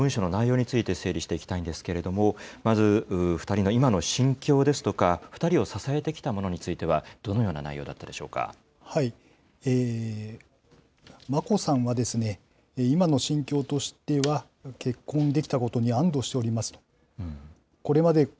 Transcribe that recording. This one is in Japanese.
社会部の白川記者ときょうはお伝えしていますが、この文書の内容について、整理していきたいんですけれども、まず、２人の今の心境ですとか、２人を支えてきたものについては、どのような内容だ眞子さんは、今の心境としては、結婚できたことに安どしておりますと。